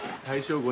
大正！